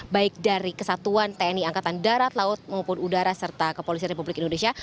baik dari kesatuan tni angkatan darat laut maupun udara serta kepolisian republik indonesia